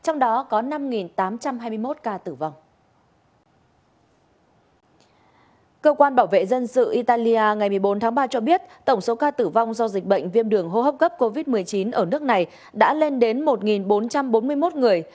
ngoài ra ngày một mươi bốn tháng ba cho biết tổng số ca tử vong do dịch bệnh viêm đường hô hấp gấp covid một mươi chín ở nước này đã lên đến một bốn trăm bốn mươi một người